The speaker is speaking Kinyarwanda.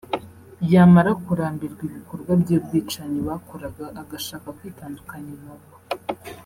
yamara kurambirwa ibikorwa by’ubwicanyi bakoraga agashaka kwitandukanya nabo